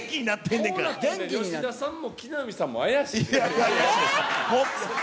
吉田さんも木南さんも怪しいえー？